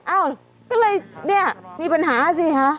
อ้าวก็เลยเนี่ยมีปัญหาสิคะ